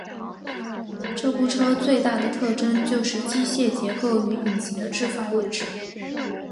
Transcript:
这部车最大的特征就是机械结构与引擎的置放位子。